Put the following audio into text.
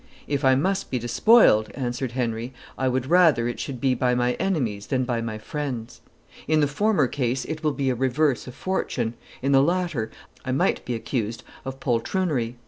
"If I must be despoiled," answered Henry, "I would rather it should be by my enemies than by my friends. In the former case it will be a reverse of fortune, in the latter I might be accused of poltroonery."